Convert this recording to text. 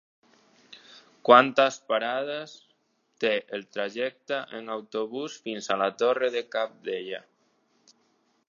Quantes parades té el trajecte en autobús fins a la Torre de Cabdella?